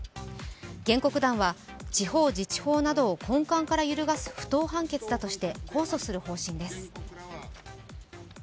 原告団は地方自治法などを根幹から揺るがす不当判決だとして控訴する方針です。